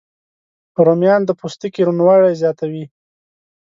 رومیان د پوستکي روڼوالی زیاتوي